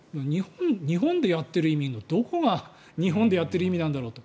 日本でやっている意味のどこが、日本でやっている意味なんだろうと。